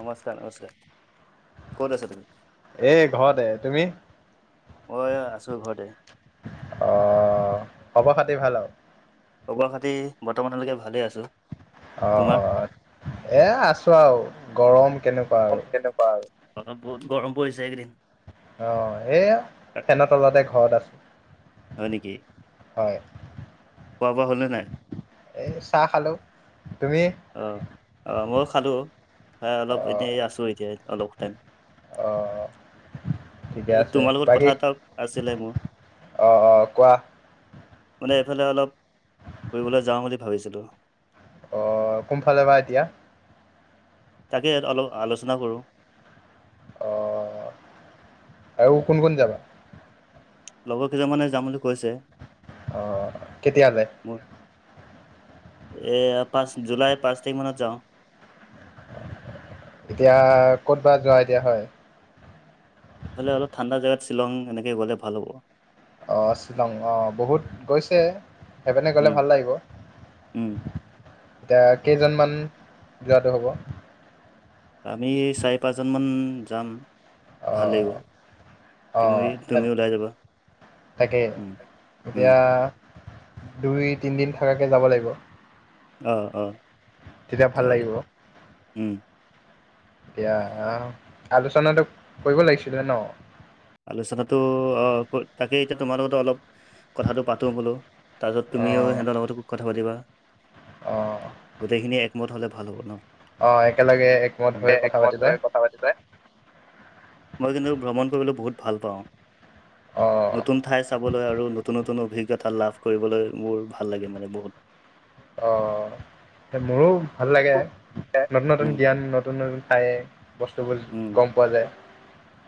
নমস্কাৰ নমস্কাৰ ক'ত আছা তুমি? এ ঘৰতে তুমি অ' আছো ঘৰতে খব খাতি ভাল আৰু খব‌ খাতি বৰ্তমানলৈকে ভালে আছে অ' এ আছো আৰু কেনেকুৱা আৰু কেনেকুৱা বহুত গৰম পৰিছে একদিন অ' এইয়া ফেনৰ তলতে ঘৰত আছো হয় নেকি, হয় খোৱা বোৱা হলনে নাই? এই চাহ খালোঁ। অহ অহ ময়ো খালো খাই অলপ এতিয়া এই ৰাস্তা এতিয়া ইয়াত অলপ টাইম। আহ। ঠিকে এই আছে তোমাৰ লগত কথা বাকী এটা আছিলে মোৰ। অহ অহ কোৱা। মানে এইফালে অলপ ফুৰিবলৈ যাওঁ বুলি ভাবিছিলোঁ। অহ কোনফালে বা এতিয়া? তাকে ইয়াত অলপ আলোচনা কৰোঁ। অহ আৰু কোন কোন যাবা? লগৰকেইজনমানে যাম বুলি কৈছে আহ কেতিয়ালে? এ পাঁচ জুলাইৰ পাঁচ তাৰিখ মানত যাওঁ। এতিয়া ক'ত বা যোৱা এতিয়া হয়। এইফালে অলপ ঠাণ্ডা জাগাত শ্বিলং এনেকে গ'লে ভাল হ'ব। অঁ' শ্বিলং অঁ' বহুত গৈছে সেইপিনে গ'লে উম, ভাল লাগিব। উম। এতিয়া কেইজনমান যোৱাটো হ'ব? আমি চাৰি পাঁচজন মান যাম। ভাল অঁ লাগিব তুমি তুমিও ওলাই যাবা। তাকেই উম উম এতিয়া দুই তিনিদিন থকাকে যাব লাগিব। অঁ' অঁ' তেতিয়া ভাল যাব লাগিব উম। এতিয়া আলোচনাটো কৰিব লাগিছিলে ন। আলোচনাটো তাকেই এতিয়া তোমাৰ লগতো অলপ কথাটো পাতো বোলো। তাৰপিছত তুমিও সিহঁতৰ লগতো কথা পাতিবা। অহ। গোটেইখিনি একমত হলে ভাল হ'ব ন। একেলগে একমত হৈ কথা একমত পাতিলে হৈ কথা পাতিব মই কিন্তু ভ্ৰমণ কৰিবলৈ বহুত ভাল পাওঁ অঁ নতুন ঠাই চাবলৈ আৰু নতুন নতুন অভিজ্ঞতা লাভ কৰিবলৈ মোৰ ভাল লাগে মানে বহুত। অহ মোৰো ভাল লাগে নতুন নতুন উম জ্ঞান নতুন নতুন খায়েই বস্তুবোৰ উম গম পোৱা যায়।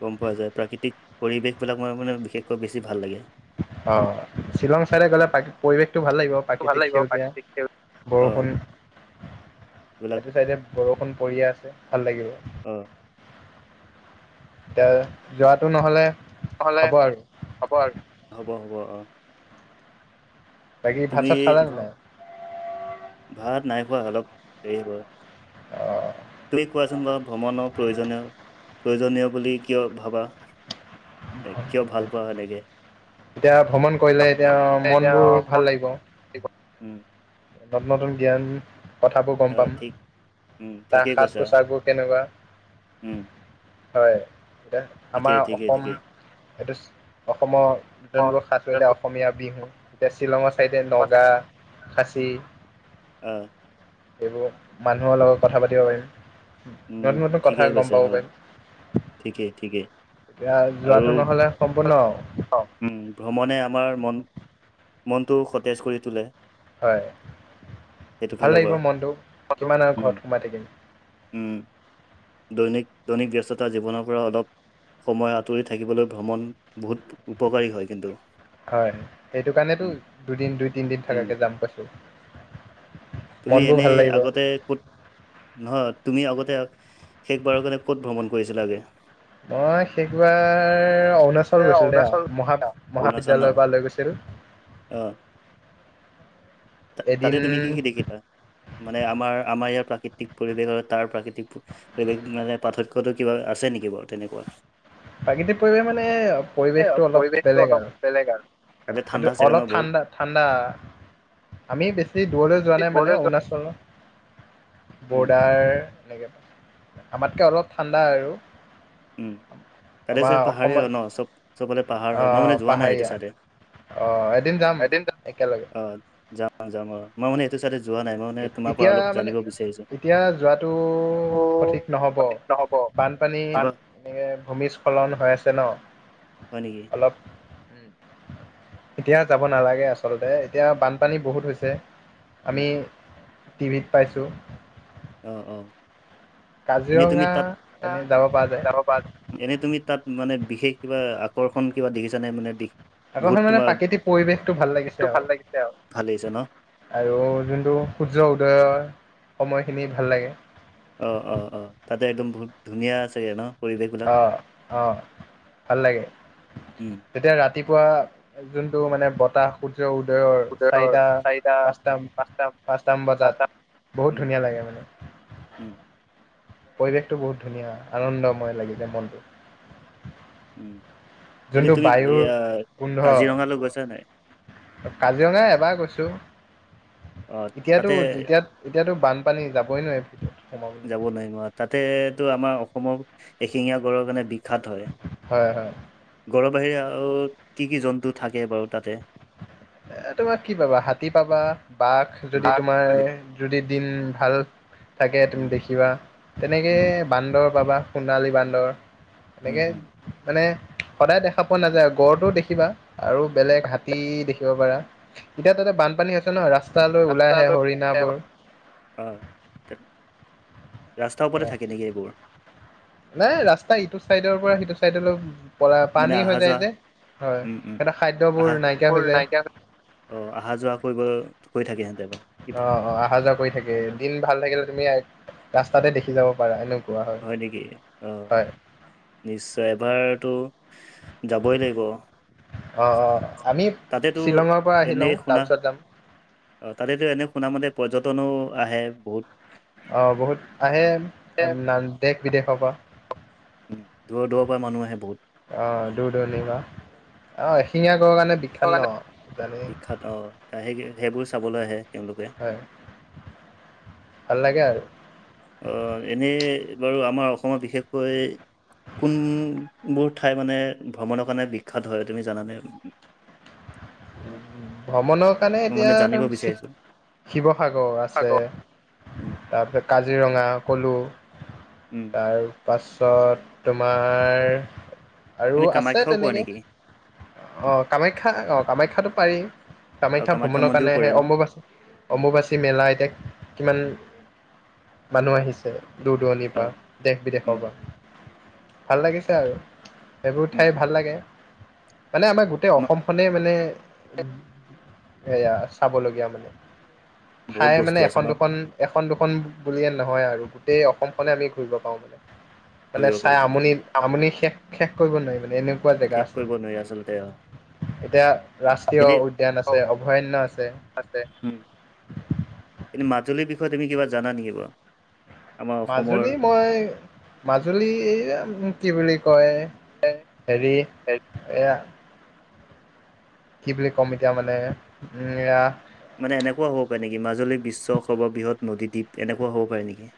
গম পোৱা যায় প্ৰাকৃতিক পৰিৱেশবিলাক মই মানে বিশেষকৈ বেছি ভাল লাগে। অহ শ্বিলং চাইদে গ'লে পৰিৱেশটো ভাল লাগিব ভাল প্ৰাকৃতিক লাগিব সেউজীয়া। প্ৰাকৃতিক সেউজ অ বৰষুণ এইবিলাক সেইটো চাইডে বৰষুণ পৰিয়ে আছে ভাল লাগিব। অহ। এতিয়া যোৱাটো নহলে নহ'লে হ'ব আৰু হ'ব আৰু হ'ব হ'ব অহ। বাকী ভাত চাত খালানে নে ভ্ৰ- নাই? ভাত নাই খোৱা অলপ দেৰি হব। অ'। তুমি কোৱাচোন বাৰু ভ্ৰমণৰ প্ৰয়োজনীয় প্ৰয়োজনীয় বুলি কিয় ভাবা? মানে কিয় ভাল পোৱা সেনেকে। এতিয়া ভ্ৰমণ কৰিলে এতিয়া মন এতিয়া বোৰ উম নতুন নতুন জ্ঞান কথাবোৰ গম অ', পাম ঠিক উম, তাৰ ঠিকেই সাজ কৈছা পোছাকবোৰ কেনেকুৱা। উম, হয় এতিয়া আমাৰ ঠিকেই ঠিকেই অসম ঠিকেই। এইটো অসমৰ জিমানবোৰ--অসমীয়া বিহু এতিয়া শ্বিলঙৰ চাইডে নগা, খাচী আহ। সেইবোৰ মানুহৰ লগত কথা পাতিব পাৰিম। উম নতুন নতুন কথা ঠিকে গম কৈছে পাব অ পাৰিম ঠিকেই ঠিকেই এতিয়া আৰু যোৱাটো নহ'লে সম্পূৰ্ণ উ ভ্ৰমণে আমাৰ মন মনটো সতেজ কৰি তোলে। হয় সেইটো ভাল ফালৰ লাগিব পৰা। মনটো কিমান আৰু উম, ঘৰত সোমাই থাকিম উম। দৈনিক দৈনিক ব্যস্ততা জীৱনৰ পৰা অলপ সময় আঁতৰি থাকিবলৈ ভ্ৰমণ বহুত উপকাৰী হয় কিন্তু। হয় সেইটো কাৰণেতো উম দুদিন দুই তিনিদিন উম থকাকে যাম কৈছোঁ। তুমি এনেই আগতে ক'ত, নহয় তুমি আগতে শেষবাৰৰ কাৰণে ক'ত ভ্ৰমণ কৰিছিলা আগে। মই সেশবাৰ অৰুণাচল এ গৈছিল দেই অৰুণাচল মহা অৰুণাচল ন মহাবিদ্যয়ালয়ৰ পৰা লৈ গৈছিল অ তাতে এদিন তুমি কি - কি দেখিলা মানে আমাৰ আমাৰ ইয়াত প্ৰাকৃতিক পৰিৱেশ আৰু তাৰ প্ৰাকৃতিক পৰিৱেশ মানে পাৰ্থক্যতটো কিবা আছে নেকি বাৰু তেনেকুৱা প্ৰাকৃতিক পৰিৱেশ মানে এ পৰিৱেশটো অলপ পৰিৱেশটো বেলেগ অলপ আৰু বেলেগ আৰু তাতে ঠাণ্ডা এইটো চাগে ন অলপ বহুত? ঠাণ্ডা ঠাণ্ডা। আমি বেছি দূৰলৈ যোৱা নাই মানে দূৰলৈ যোৱা অৰুণাচলৰ উম বৰ্ডাৰ আমাতকৈ অলপ ঠাণ্ডা আৰু। উম, তাতে আমাৰ চ পাহাৰেই অসমত হয় ন চব চবে পাহাৰ হয় মই আহ মানে যোৱা নাই পাহাৰীয়া এইটো চাইদে, আহ এদিন যাম একেলগে, অ', অ, যাম মই মানে এইটো চাইদে এতিয়া মানে এতিয়া যোৱাটো সঠিক নহ'ব। সঠিক নহ'ব কিবা বানপানী কাৰণ এ ভূমিস্খলন হৈ আছে ন' হয় নেকি? অলপ উম, এতিয়া যাব নালাগে আচলতে এতিয়া বানপানী বহুত হৈছে। উম, আমি টিভিত পাইছোঁ। অ' অ' এনেই তুমি কাজিৰঙা তাত অ, এনে যাব পৰা যায় যাব পাৰা এনেই তুমি তাত মানে বিশেষ কিবা আকৰ্ষণ কিবা দেখিছা নাই মানে। বহুত আগখন মানে তোমাৰ প্ৰাকৃতিক পৰিৱেশটো ভাল টো লাগিছে ভাল আৰু লাগিছে ভাল লাগিছে ন আৰু যোনটো সূৰ্য উদয়ৰ সময়খিনি ভাল লাগে অ - অ - অ তাতে একদম বহুত ধুনীয়া চাগে ন। পৰিৱেশবিলাক অ- অ ভাল লাগে উম। তেতিয়া ৰাতি। ৰাতিপুৱা যোনটো মানে বতাহ উদয়ৰ উদয়ৰ চাৰিটা চাৰিটা পাঁচটা পাঁচটামান বজাত পাঁচটা বহুত উম। ধুনীয়া লাগে মানে উম, পৰিৱেশটো বহুত ধুনীয়া আনন্দময় লাগি যাই মনটো। উম, এতিয়া যোনটো তুমি বায়ুৰ এয়া গোন্ধ কাজিৰঙালৈ গৈছা নাই। কাজিৰঙা এবাৰ গৈছো অ', এতিয়াতো তাতে যেতিয়া এতিয়াতো বানপানী যাব। গৈ নোৱাৰি। সোমাব যাব নোৱাৰিম তাতেতো আমাৰ অসমৰ এশিঙীয়া গড়ৰ কাৰণে, বিখ্যাত হয় হয় হয় গড় বাহিৰে আৰু কি কি জন্তু থাকে বাৰু তাতে, এ তোমাৰ কি পাবা হাতী পাবা বাঘ উম, যদি তোমাৰ উম, যদি দিন ভাল থাকে তুমি উম, দেখিবা তেনেকে উম, বান্দৰ পাবা সোণালী বান্দৰ, উম, এনেকে উম। মানে। সদায় দেখা পোৱা নাযায় গড়টোও দেখিবা আৰু বেলেগ হাতী দেখিবা। চাব পাৰা এতিয়া তাতে বানপানী আছে ন ৰাস্তা ৰাস্তলৈ ওলায় আহে, ৰাস্তালৈ হৰিণাবোৰৰ। অ', ৰাস্তাৰ ওপৰতে অ' থাকে নেকি এইবোৰ? নাই ৰাস্তা ইটো চাইডৰ পৰা, সিটো চাইডলৈ। পলায়, মানে পানী আহা হয় নে যোৱা ইয়াতে, হয়। উম, উম, সিঁহতৰ খাদ্যবোৰ নাইকিয়া হৈ যায়। অ অহা-যোৱা কৰিব, কৰি থাকে হেঁতে মানে অ', অ অহা-যোৱা কৰি থাকে। দিন ভাল থাকিলে তুমি ৰাস্তাতে দেখি যাব পাৰা এনেকুৱা হয় নেকি? অ হয় নিশ্চয় এবাৰ টো যাবই লাগিব। অ', অ আমি তাতেতো শ্বিলংৰ পৰা আহি এনেই লওঁ, শুনা তাৰপিছত যাম। অ তাতেতো এনে শুনা মতে পৰ্যটনো আহে বহুত। অহ বহুত আহে দেশ-বিদেশৰ পৰা। উম, দূৰৰ দূৰৰ পৰা মানুহ আহে বহুত। আহ দূৰ-দূৰণিৰ পা অহ এশিঙীয়া কাৰণে বিখ্যাত ন‌ জানেই। বিখ্যাত অ' সেই সেইবোৰ চাবলৈ আহে। তেওঁলোকে। হয় ভাল লাগে আৰু এনেই বাৰু আমাৰ অসমত বিশেষকৈ কোনবোৰ ঠাই মানে ভ্ৰমণৰ কাৰণে বিখ্যাত হয় তুমি জানানে? ভ্ৰমণৰ কাৰণে মই এতিয়া মানে জানিব বিচাৰিছোঁ। শিৱসাগৰ আছে উম, তাৰপিছত কাজিৰঙা সলো উম, তাৰপাছত তোমাৰ আৰু এনে আছে, কামাখ্যাও পৰে তেনেকৈ নেকি? অঁ, কামাখ্যা অঁ, কামাখ্যাটো পাৰিম। আৰু কামাখ্যা ভ্ৰমণৰ মন্দিৰো পৰে কাৰণেহে ন? অম্বুবাচী, অম্বুবাচী মেলা এতিয়া কিমান মানুহ আহিছে দূৰ-দূৰণিৰ পৰা, অ' উম, দেশ-বিদেশৰ পৰা। ভাল লাগিছে আৰু সেইবোৰ উম, ঠাই ভাল লাগে। মানে আমাৰ গোটেই অসম খনে মানে সেয়া, চাবলগীয়া মানে। বহুত ঠাই মানে বস্তু আছে ন এখন-দুখন, এখন-দুখন বুলিয়ে নো নহয় আৰু গোটেই অসম খনে আমি ঘূৰিব পাওঁ। মানে ঘূৰিব চাই পাৰি কিন্তু। আমনি আমনি শেষ শেষ কৰিব নোৱাৰি মানে এনে শেষ কৰিব নোৱাৰি আচলতে এতিয়া ৰাষ্ট্ৰীয় উদ্যান এনেই আছে, অভয়াৰণ্য আছে আছে। এই মাজুলীৰ বিষয়ে তুমি কিবা জানা নেকি বাৰু? আমাৰ অসমৰ মাজুলী মই মাজুলী কি বুলি কয় হেৰি এয়া কি বুলি কম এতিয়া মানে, উম এয়া মানে এনেকুৱা হ'ব পাৰে নেকি? মাজুলী বিশ্ব সৰ্ববৃহৎ নদীদ্বীপ। এনেকুৱা হ'ব পাৰে নেকি?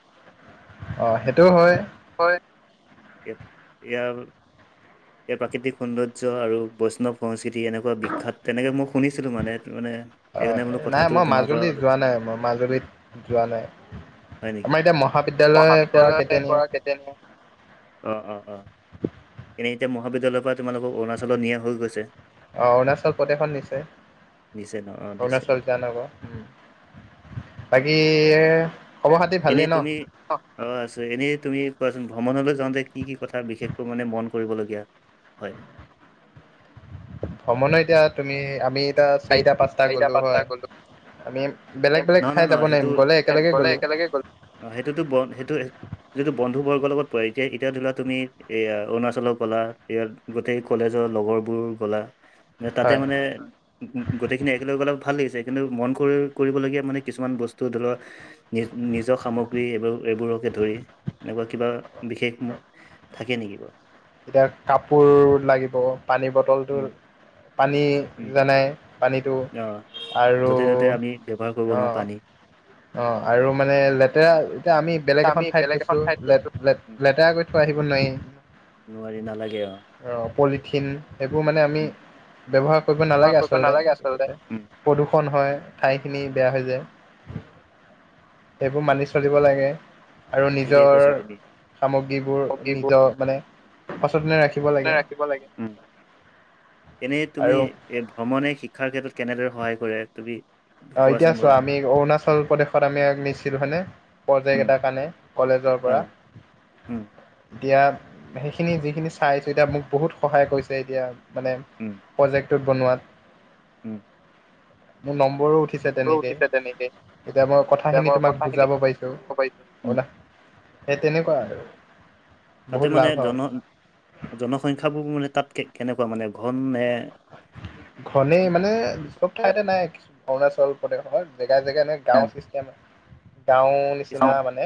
অ সেইটোও হয়। হয়। ইয়াৰ ইয়াৰ প্ৰাকৃতিক সৌন্দৰ্য্য আৰু বৈষ্ণৱ সংস্কৃতি এনেকুৱা বিখ্যাত, তেনেকে মই শুনিছিলো মানে মানে অ সেইকাৰণে বোলো নাই কথাটো মই তোমাৰ মাজুলী যোৱা পৰা নাই মই মাজুলীত যোৱা নাই হয় নেকি আমাৰ এতিয়া মহাবিদ্যালয়ৰ পৰা মহাবিদ্য়ালয় কেতিয়া নিয়ে কৰা অ-অ-অ। এনেই এতিয়া মহাবিদ্যালয়ৰ পৰা তোমোলোকক অৰুণাচলত নিয়া হৈ গৈছে। অ অৰুণাচল প্ৰদেশত নিছে। নিছে ন অ', নিছে। অৰুণাচল য নবা বাকী খবৰ খাতি ভালেই এনেই ন তুমি অ আছে, এনেই তুমি কোৱাচোন ভ্ৰমণলৈ যাওঁতে কি কি কথা বিশেষকৈ মানে মন কৰিবলগীয়া হয়? ভ নহয় এতিয়া তুমি আমি এতিয়া [unintelligible] চাৰিটা পাঁচটা গ'লো হয় আমি বেলেগ বেলেগ নহ ঠাই নহ যাব নহয় সেইটো, নোৱাৰিম গ'লে একেলগে গ'লে গ'লো একেলগে গ'ল, সেইটোতো বন সেইটো যিটো বন্ বন্ধু বৰ্গৰ লগত পোৱা এতিয়া এতিয়া ধৰিলা তুমি এয়া অৰুণাচলত গ'লা ইয়াত গোটেই ক'লেজৰ লগৰবোৰ গ'লা তাতে হয় মানে গোটেইখিনি একেলগে অলপ ভাল লাগিছে, কিন্তু মন কৰিব কৰিবলগীয়া মানে কিছুমান বস্তু ধৰি লোৱা নি নিজৰ স সামগ্ৰী এইব এইবোৰকে ধৰি এনেকুৱা কিবা বিশেষ থাকে নেকি বাৰু। এতিয়া কাপোৰ লাগিব পানী উম। বটলটোৰ পানী উম, যেনে পানীটো অ আৰু য'তে ত'তে আমি ব্যৱহাৰ কৰিব নোৱাৰো অ'। পানী। অ' আৰু মানে লেতেৰা, এতিয়া আমি বেলেগ এখন ঠাইত গৈছোঁ লেত-লেত-লেতেৰা কই থৈ আহিব নোৱাই। নোৱাৰি নালাগে অ' পলিথিন এবোৰ মানে আমি উম। ব্যৱহাৰ কৰিব ব্যৱহাৰ নালাগে কৰিব আচলতে। নালাগে আচলতে। উম প্ৰদূষণ হয়, ঠাইখিনি বেয়া হৈ যায়। এইবো মানি চলিব লাগে। আৰু ঠিকেই নিজৰ কৈছা তুমি। সামগ্ৰীবোৰ হবিবোৰ নিজৰ মানে সচেতনে ৰাখিব লাগে ৰাখিব লাগে। এনে তুমি আৰু এ ভ্ৰমণে শিক্ষাৰ ক্ষেত্ৰত কেনেদৰে সহায় কৰে তুমি অ' এতিয়া কোৱাচোন বাৰু চোৱা আমি অৰুণাচল প্ৰদেশত আমি নিছিল হয়নে, প্ৰজেক্ট উম এটাৰ কাৰণে কলেজৰ ৰ অ পৰা উম এতিয়া হেখিনি যিখিনি চাইছো এতিয়া মোক বহুত সহায় কৰিছে এতিয়া মানে প্ৰজেক্ট তো বনোৱাত। উ। মোৰ নম্বৰো উঠি উঠিছে তেনেকে তেনেকে এতিয়া মই যে কথাখিনি মই তোমাক কথাখিনি বুজাব পাইছোঁ। ক'ব পাৰিছো। উম অনা সেই তেনেকুৱা আৰু। তাতে বহুত মানে লাভ আৰু জন জনসংখ্যা বোৰ মানে তাত কেনেকুৱা মানে। ঘন নে ঘনেই মানে চব উম ঠাইতে নাই কি অৰুণাচল প্ৰদেশৰ যে জেগাই জেগাই মানে গাঁও ছিষ্টেম, গাঁও নিচিনা কিছুমান মানে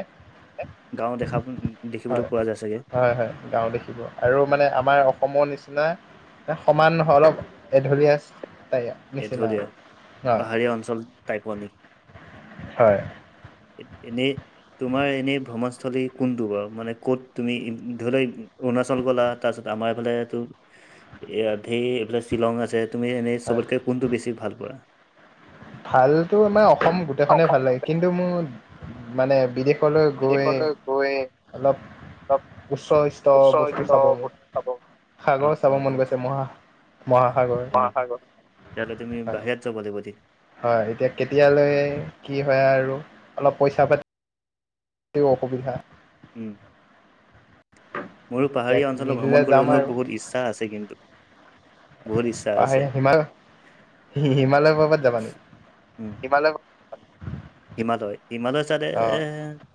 গাঁও দেখা দেখিবলৈ হয় পোৱা যায় চাগে হয়- হয় গাঁও দেখিব আৰু মানে আমাৰ অ সম নিচিনা এই উম, সমান নহয় অলপ এঢলীয়া আছ এঢলীয়া পাহাৰীয়া অঞ্চল টাইপৰ নি। হয় এ এনেই তোমাৰ এনে ভ্ৰমণস্থলী কোনটো বাৰু মানে ক'ত তুমি ধৰি লোৱা অৰুণাচল গ'লা। তাৰপাছত আমাৰ এইফালে টো এয়া ধেই এইফালে শ্বিলং আছে। তুমি এনেই হয় চবতকে কোনটো বেছি ভাল পোৱা। ভালতো মানে অসম গোটেখনে অসম ভাল লাগে কিন্তু মোৰ মানে বিদেশ ক'লৈ গৈ বিদেশলৈ গৈ অলপ অলপ উচ্চ স্তৰ উচ্চ বস্তু উচ্চ চাব মো বস্তু চাব সাগৰ চাব মন গৈছে। মহা মহাসাগৰ মহাসাগ, তেহ'লে তুমি হয় বাহিৰত যাব লাগিব যি হয় এতিয়া কেতিয়ালৈ কি হয় আৰু অলপ পইচা পাতি তিওঁ অসুবিধা। উ। মোৰো এতিয়া পাহাৰীয়া অঞ্চলত মিলিলে ভ্ৰমণ যাম কৰিবলৈ আৰু বহুত ইচ্ছা আছে কিন্তু। বহুত ইচ্ছা আছে। হি-হিমালয় পৰ্বত যাবা নি। হিমালয়-হিমালয় চাইদে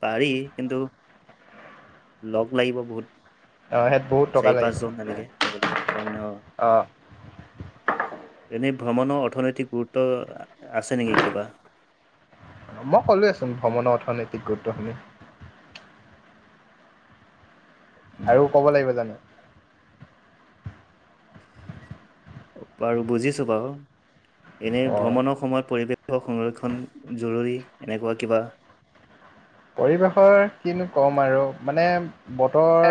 পাৰি। কিন্তু লগ লাগিব বহুত। অ সেইত বহুত টকা চাৰি লাগিব পাঁচজন এনেকে যাব লাগিব। অ' মানে অ'। এনে ভ্ৰমণৰ অৰ্থনৈতিক গুৰুত্ব আছে নেকি কিবা। মই ক'লোৱেচোন ভ্ৰমণৰ অৰ্থনৈতিক গুৰুত্ব খিনি। উম আৰু ক'ব লাগিব জানো। বাৰু বুজিছো বাৰু, এনে অ ভ্ৰমণৰ সময়ত পৰিৱেশ সংৰক্ষণ জৰুৰী এনেকুৱা কিবা। পৰিৱেশৰ কিনো কম আৰু মানে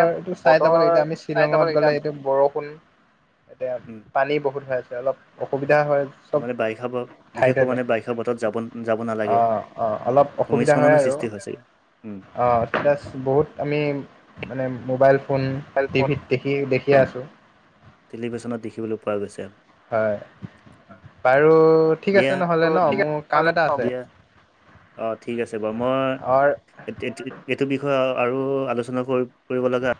এ, চাই যাব বতৰ লাগিব এতিয়া আমি চাই যাব শ্বিলঙত লাগিব গ'লে এতিয়া বৰষুণ এতিয়া উম পানী বহুত হৈ আছে অলপ অসুবিধা অসুবিধা হয়, ত' চব মানে বাৰিষা ব- বিশেষকৈ ঠাইতে যে মানে বাৰিষা বতৰত যাব যাব নালাগে অ', অ', অলপ অসুবিধা। বিধা হয় ভূমিস্খলনৰ আৰু। [unintelligible] উম। অ', [unintelligible] বহুত আমি মানে মোবাইল ফোন, টিভিত দেখি দেখিয়ে আছোঁ। টেলিভিশ্যনত দেখিবলৈ পোৱা গৈছে। হয়, বাৰু ঠিক দিয়া আছে ত' নহ'লে ন', ঠিক আছে মোৰ নহ'লে কাম এটা হ'ব আছে। দিয়া অ', ঠিক আছে বাৰু মই অৰ এইট এইটো বিষয়ে [unintelligible] আৰু আলোচনা কৰি কৰিব লগা